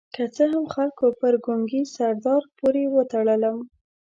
که څه هم خلکو پر ګونګي سردار پورې وتړلم.